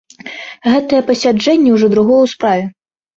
Гэтае пасяджэнне ўжо другое ў справе.